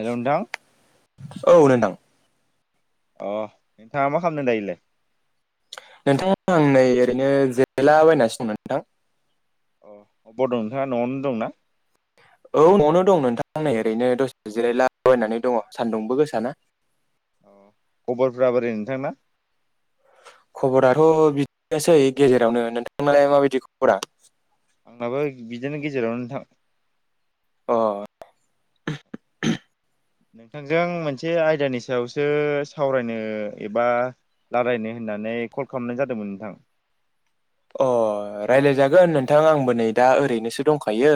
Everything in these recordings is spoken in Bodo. हेल' नोंथां औ नोंथां अ नोंथाङा मा खालामनो दायोलै नोंथाङा आं नै ओरैनो जिरयला बायनासोमोन नोंथां अ बड' नोंथाङा न'आवनो दंना औ न'आवनो दं नोंथां ओरैनो दसे जिरायलाबायनानै दङ सान्दुंबो गोसाना औ खबरफोरा बोरै नोंथांना खबराथ' बिदिनोसै गेजेरावनो नोंथांनालाय माबायदि खबरा आंनाबो बिदिनो गेजेराव नोंथां अ नोंथांजों मोनसे आयदानि सायावसो सावरायनो एबा रायलायनो होननानै कल खालामनाय जादोंमोन नोंथां अ रायलाय जागोन नोंथां आंबो नै दा ओरैनोसो दंखायो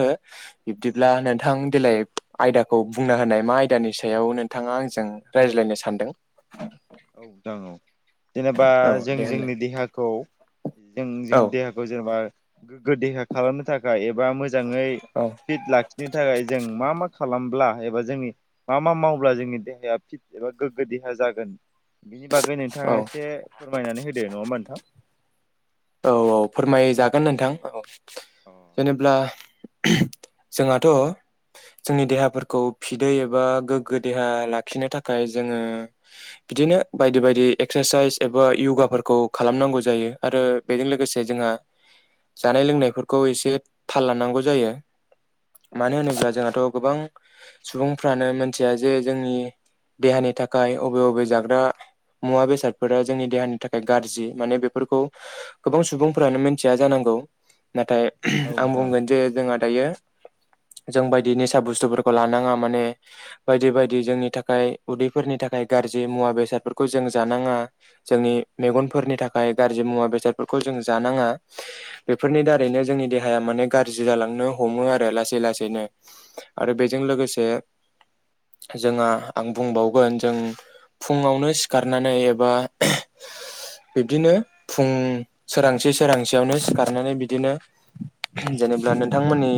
बिब्दिब्ला नोंथां देेलाय आयदाखौ बुंना होनाय मा आयदानि सायाव नोंथाङा आंजों रायज्लायनो सानदों औ दां औ जेनेबा औ जों दे होनलाय जोंनि देहाखौ जों औ जोंनि देहाखौ जेनेबा गोग्गो देहा खालामनो थाखाय एबा एा मोजाङै औ फिट लाखिनो थाखाय जों मा मा खालामब्ला एबा जोंनि मा मा मावब्ला जोंनि देहाया फिट एबा गोग्गो देहा जागोन बिनि बागै औ नोंथाङा एसे फोरमायनानै होदो नङा होमबा नोंथां। औ औ फोरमायजागोन नोंथां औ जेनेब्ला जोंहाथ' जोंनि देहाफोरखौ फिदै एबा गोग्गो देहा लाखिनो थाखाय जोङो बिदिनो बायदि बायदि एक्सारसाइस एबा यगाफोरखौ खालामनांगौ जायो आरो बेजों लोगोसे जोंहा जानाय लोंनायफोरखौ एसे थाल लानांगौ जायो। मानो होनोब्ला जोंहाथ' गोबां सुबुंफ्रानो मिथिया जे जोंनि देहानि थाखाय अबे बबे जाग्रा मुवा बेसादफोरा जोंनि देहानि थाखाय गाज्रि माने बेफोरखौ गोबां सुबुंफोरानो मिथिया जानांगौ नाथाय आं नोंथां औ बुंगोन जे जोंहा दायो जों बायदि निसा बुस्थुफोरखौ लानाङा माने बायदि बायदि जोंनि थाखाय उदैफोरनि थाखाय थाखाय गाज्रि मुवा बेसादफोरखौ जों जानाङा जोंनि मेगनफोरनि थाखाय गाज्रि मुवा बेसाद फोरखौ जों जानाङा बेफोरनि दारैनो जोंनि देहाया माने गाज्रि जालांनो हमो आरो ला- लासैनो आरो बेजों लोगोसे जोंहा आं बुंबावगोन जों फुङावनो सिखारनानै एबा बिब्दिनो फुं सोरांसि सोरांसेयावनो सिखारनानै बिदिनो जेनेबा नोंथांमोननि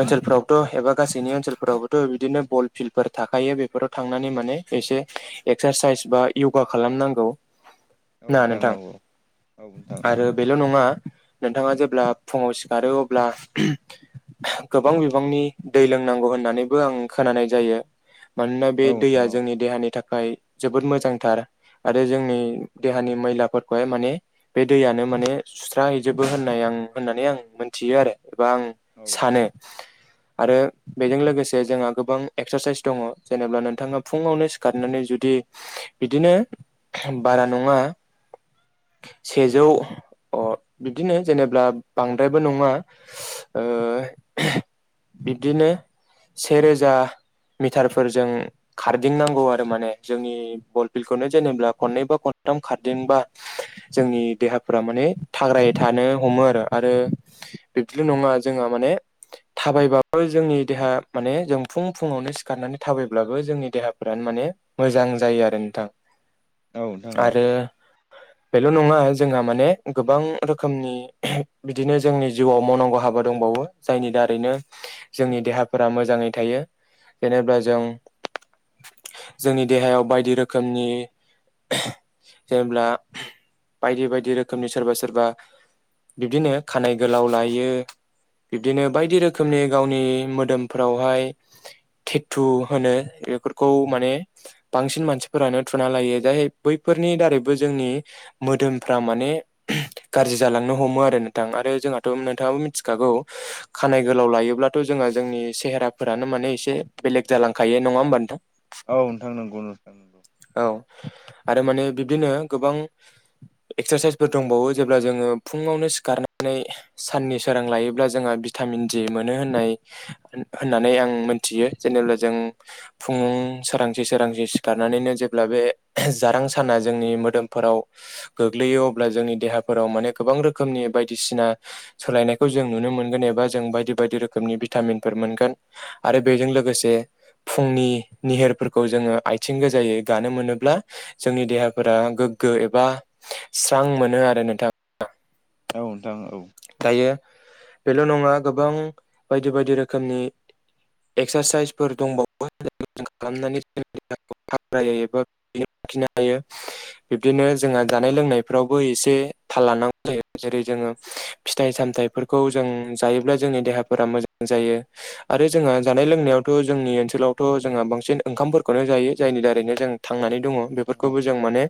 ओनसोल फ्रावथ' एबा गासैनि ओनसोलफोरावबोथ' बिदिनो बल फिल्डफोर थाखायो बेफोराव थांनानै माने एसे एक्सारसाइस बा यगा खालामनांगौ। औ नोंथां औ औ औ नोंथां आरो बेल' नङा नोंथाङा जेब्ला फुङाव सिखारो अब्ला गोबां बिबांनि दै लोंनांगौ होननानैबो आं खोनानाय जायो। मानोना बे औ दैया नोंथां औ जोंनि देहानि थाखाय थाखाय जोबोद मोजांथार आरो जोंनि देहानि मैलाफोरखौहाय माने बे दैयानो माने सुस्रााहैजोबो होननाय आं होननानै आं मोनथियो आरो एबा आं सानो आरो बेजों लोगोसे जोंहा गोबां एक्सारसाइस दङ जेनेबा नोंथाङा फुङावनो सिखारनानै जुदि बिदिनो बारा नङा [inaudible] सेजौ अ बिदिनो जेनेबा बांद्रायबो नङा [inaudible] बिब्दिनो सेेरजा मिटारफोरजों खारदिंनांगौ आरो माने जोंनि बल फिल्ड खौनो जेनेब्ला खननै बा खन- खाम खारदेंबा जोंनि देहाफोरा माने थाग्राय थानो हमो आरो आरो बिब्दिल' नङा जोंहा माने थाबायबाबो जोंनि देहा माने जों फुं फुु़ंवावनो सिखारनानै थाबायब्लाबो जोंनि देहाफोरानो माने माने मोजां जायो आरो नोंथां औ नोंथां औ आरो बेल नङा जोंहा माने गोबां रोखोमनि बिदिनो जोंनि जिउआव मावनांगौ हाबा दंबावो। जायनि दारैनो जोंनि देहाफोरा मोजाङै थायो। जेनेबा जों जोंनि देहायाव बायदि रोखोमनि जेब्ला बायदि बायदि रोखोमनि सोरबा सोरबा बिब्दिनो खानायाइ गोलाव लायो। बिब्दिनो बायदि रोखोमनि गावनि मोदोमफ्रावहाय थेथु होनो बेफोरखौ माने बांसिन मानसिफोरानो थुना लायो जाय बैफोर नि दारैबो जोंनि मोदोमफ्रा माने गाज्रि जालांनो हमो आरो नोंथां आरो जोंहाथ नोंथाङाबो मिथिखागौ खानाय गोलाव लायोब्लाथ जोंहा जोंनि सेहेराफोरानो माने एसे बेलेग जालांखायो नङा होमबा नोंथां। औ नोंथां नंगौ नोंथां नगौ औ आरो माने बिब्दिनो गोबां [inaudible] एक्सारसाइसफोर दंबावो जेब्ला जोनङो फुङावनो सिखारनानै साननि सोरां लायोब्ला जोंहा बिथा मिन जि मोनो होननाय होननानै आं मोनथियो जेने जों फुं सोरांसि सोरांसि सिखारनानैनो जेब्ला बे जारां साना जोंनि मोदोमफोराव गोग्लैयो अब्ला जोंनि देहाफोराव माने गोबां रोखोमनि बायदिसिना सोलायनायखौ जों नुनो मोनगोन एबा जों बायदि बायदि रोखोमनि भितामिनफोर मोनगोन आरो बेजों लोगोसे फुंनि नि निहिरफोरखौ जोऔङो आथिं गोजायै गानो मोनोब्ला जोंनि देहाफोरा गोग्गो ए बा स्रां मोनो आरो नोंथां औ नोंथां औ दायो बेल नङा गोबां बायदि बायदि रोखोमनि एक्सारसाइसफोर दंबावो जायखौ जों खालामनानै जोंनि देहाखौ हायो एबा लाखिनो हायो बिब्दिनो जोंहा औ जानाय लोंनायफ्रावबो एसे थाल लानांगौ जायो जेरै जोंङो फिथाइ सामथायाइफोरखौ जों जायोब्ला जोंनि देहाफोरा मोजां जायो आरो जोंहा औ जानाय लोंनायाव थ जोंनि ओनसोलावथ जोंहा बांसिन ओंखामफोरखौखौनो जायो जायनि दारैनो जों थांनानै औ दङ नोंथां औ बेफोरखौबो जों माने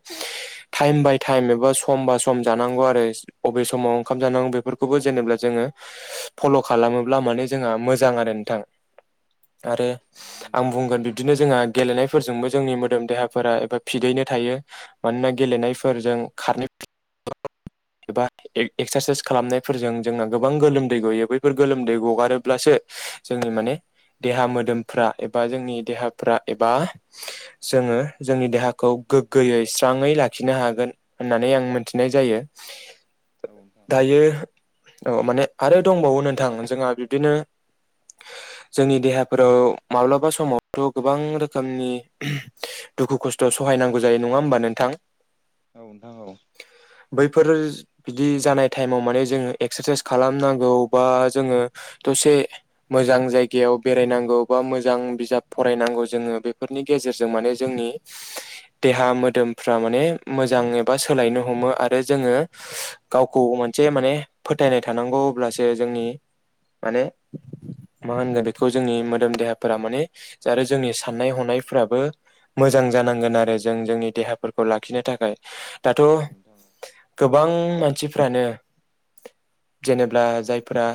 टाइम बाय टाइम एबा सम बा सम जानांगौ आरो बबे समाव ओंखाम जानांगौ बे बेफोरखौबो जेनेबा जोङो फल खालामोब्ला माने जोंहा मोजां आरो नोंथां आरो औ आं नोंथां बुंगोन बिदिनो जोंहा गेलेनायफोरजोंबो जोंनि मोदोम देहाफोरा एबा फिदैनो थायो मानोना गेलेनायफोरजों खारनो [inaudible] एबा एक्सारसाइस खालामनायफोरजों जोंना गोबां गोलोमदै गयो बैफोर गोलोमदै गगारोब्लासो जोंनि माने देहा मोदोमफ्रा एबा जोंनि देहाफ्रा एबा जोंङो जोंनि देहाखौ गोग्गोयै स्राङै लाखिनो हागोन होननानै आं मोनथिनाय जायो। [inaudible] दायो औ माने आरो दंबावो नोंथां जोंहा बिब्दिनो जोंनि देहाफोराव माब्लाबा समावथ गोबां रोखोमनि दुखु खस्थ सहायनांगौ जायो नङा होमबा नोंथां। औ नोंथां औ बैफोर बिदि जानाय टाइमाव माने जो एक्सारसाइस खालामनांगौबा जोंङो दसे मोजां जायगायाव बेरायनांगौ बबा मोजां बिजाब फरायनांगौ जोंङो बेफोरनि गेजेरजों माने जोंनि देहा मोदोमफ्रा माने मोजां एबा सोलायनो हमो आरो जोङो गाव खौ मोनसे माने फोथायनाय थानांगौ अब्लासो जोंनि माने मा होनगोन बेखौ जोंनि मोदोम देहाफोरा माने आरो जोंनि साननाय हनायफोराबो मोजां जानांगोन आरो जों जोंनि देहाफोरखौ लाखिनो थाखाय दाथ' औ नोंथां औ गोबां मानसिफ्रानो जेनेब्ला जायफोरा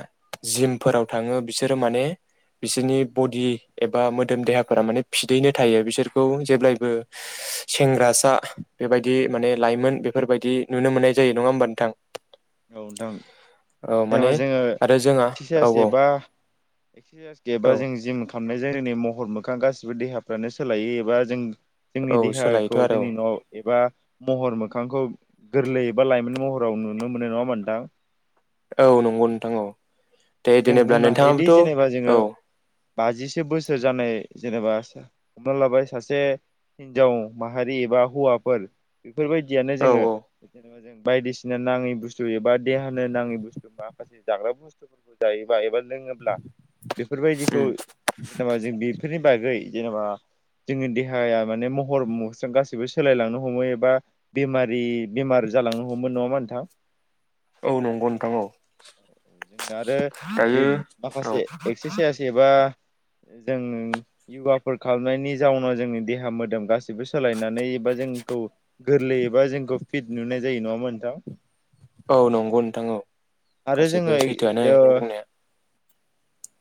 जिमफोराव थाङो बिसोरो माने बिसोरनि बडि एबा मोदोम देहाफोरा माने फिदैनो थायो बिसोरखौ जेब्लायबो सेंग्रासा बेबायदि माने लाइमोन बेफोरबायदि नुनो मोननाय जायो नङा होमबा नोंथां औ नोंथां औ जोङो आरो जोंहा औ एक्सारसाइस औ एबा एक्सारसाइस गैयाबा औ जों जिम खालामनायजों जोंनि महर मोखां गासिबो देहा फ्रानो सोलायो एबा जों जोंनि औ देहाखौ सोलायोथ' आरो जोंनि न'आव एबा महर मोखांखौ गोरलै एबा लाइमोन महराव नुनो मोननाय नङा होमबा नोंथां औ नंगौ नोंथां औ दे जों जेनेब्ला बुंनो हायोदि नोंथाङाबोथ' जेनेबा जोङो औ बाजिसो बोसोर जानाय जेनेबा हमना लाबाय सासे हिनजाव माहारि एबा हौवाफोर बेफोरबायदियानो औ जोङो औ जेनेबा जों बायदिसिना नाङि बुस्थु एबा देहानो नाङै बुस्थु माखासे जाग्रा बुस्थुफोरखौ जायोब एबा लोङोब्ला बेफोरबायदिखौ उम जेनेबा जों बेफोरनि बागै जेनेबा जोंनि देहाया माने महर मस्राया गासैबो सोलायलांनो हमो एबा बेमारि बेमार जालांनो हमो नङा होमबा नोंथां औ नंगौ नोंथां औ जोंना आरो बे दायो औ माखासे एक्सारसाइस एबा जों इउगाफोर खालामनायनि जाउनाव जोंनि देहा मोदोम गासैबो सोलायनानै नै बा जोंखौ गोरलैबा जोंखौ फिट नुनाय जायो नङा होमबा नोंथां औ नंगौ नोंथां औ आरो जोङो गासिबो सैथोआनो ओ नों बुंनाया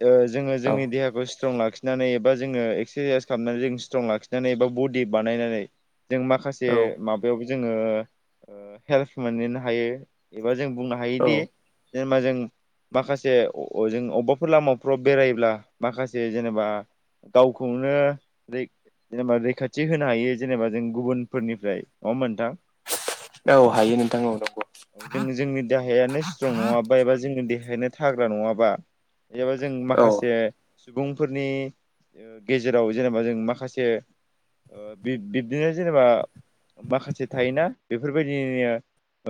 ओ जोङो औ जोंनि देहाखौ स्ट्रं लाखिनानै एबा जोङो एक्सारसाइस खालामनानै जों स्ट्रं लाखिनानै एबा बडि बानायनानै जों माखासे औ माबायावबो जोङो ओ हेल्प मोनहोनो हायो एबा जों बुंनो औ हायोदि जेनेबा जों माखासे अ-अ जों अबेबाफोर लामाफ्राव बेरायोब्ला माखासे जेनेबा गावखौनो दै जेनेबा रैखाथि होनो हायो जेनेबा जों गुबुनफोरनिफ्राय नङा होमबा नोंथां औ हायो नोंथां औ नंगौ औ जों जोंनि देहायानो स्ट्रं नङा बा एबा जोंनि देहा बेखायनो थाग्रा नङाबा एबा जों औ माखासे सुबुंफोरनि ओ गेजेराव जेनेबा जों माखासे ओ बिब बिब्दिनो जेनेबा माखासे थायोना बेफोरबायदि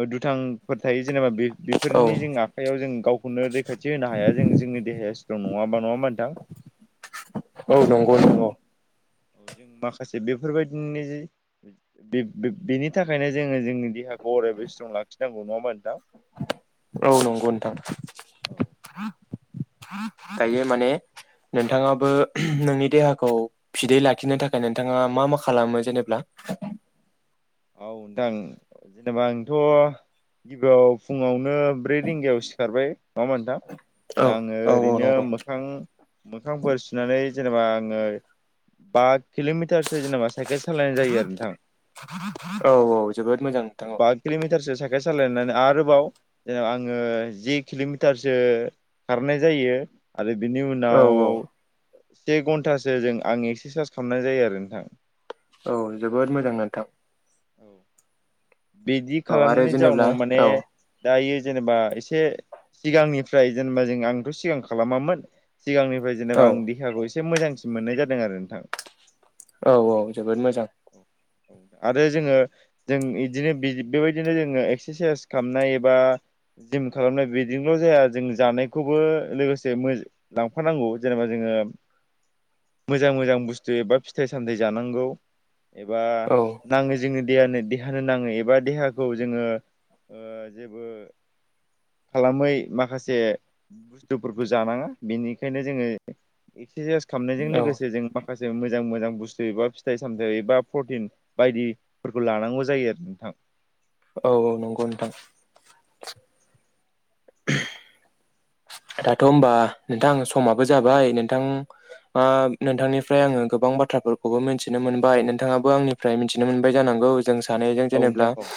ओ दुथांफोर थायो जेनेबा बे औ बेफोरनि जों आखाइयाव जों गावखौनो रैखाथि होनो हाया जों जोंनि देहाया स्ट्रं नङाबा नङा होमबा नोंथां औ नंगौ नंगौ औ जों माखासे बेफोरबायदिनि बि बेनि थाखायनो जों ङो जोंनि देहाखौ अरायबो स्ट्रं लाखिनांगौ नङा होमबा नोंथां औ नंगौ नोंथां औ दायो माने नोंथाङाबो नोंनि देहाखौ फिदै लाखिनो थाखाय नोंथाङा मा मा खालामो जेनेब्ला औ नोंथां जेनेबा आंथ' गिबियाव फुङावनो ब्रै रिंगायाव सिखारबाय नङा होमबा औ नोंथां आङो औ औ ओरैनो नंगौ मोखां मोखांफोर सुनानै जेनेबा आङो बा किल'मिटारसो जेनेबा साइकेल सालायनाय जायो आरो नोंथां औ औ जोबोद मोजां नोंथां औ साइखेल सालायनानै आरोबाव जेनेबा आङो जि किल'मिटारसो खारनाय जायो आरो बिनि औ उनाव औ से घन्टासो जों आं एक्सारसाइस खालामनाय जायो आरो नोंथां औ जोबोद मोजां नोंथां औ बिदि औ आरो खालामनायनि जेनेब्ला जाउनाव माने औ दायो जेनेबा एसे सिगांनिफ्राय जेनेबा जों आंथ' सिगां खालामामोन- सिगांनिफ्राय औ जेनेबा आं देहाखौ एसे मोजांसिन मोननाय जादों आरो नोंथां। औ औ जोबोद मोजां आरो जोङो जों बिदिनो बेबायदिनो जोङो एक्सारसाइस खालामनाय एबा जिम खालामनाय बिदिनोल' जाया जों जानायखौबो लोगोसे लांफानांगौ जेनेबा जोङो मोजां मोजां बुस्थु एबा फिथाइ सामथाय जानांगौ एबा औ नाङो जोंनि देहानो देहानि होननो नाङो एबा देहाखौ जोङो जेबो खालामै माखासे बुस्थुफोरखौ जानाङा बेनिखायनो जोङो एक्सारसाइस खालामनायजों औ लोगोसे जों माखासे मोजां मोजां बुस्थु एबा फिथाइ सामथाइ एबा प्रटिन बायदिफोरखौ लानांगौ ज जायो आरो नोंथां। औ औ नंगौ नोंथां दाथ' होमबा नोंथां समाबो जाबाय नोंथां मा नोंथांनिफ्राय आङो गोबां बाथ्राफोरखौबो मिन्थिनो मोनबाय नोंथाङाबो आंनिफ्राय मिन्थिनो मोनबाय जानांगौ जों सानैजों औ जेनेबा नोंथां औ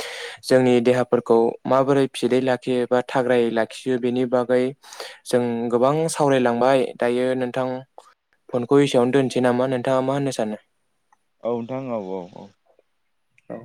जोंनि देहा फोरखौ माबोरै फिदै लाखियो बा थाग्रायै लाखियो बेनि बागै जों गोबां सावरायलांबाय दायो नोंथां फनखौ एसेयावनो दोनसै नामा नोंथाङा मा होननो सानो? औ नोंथां औ औ औ। औ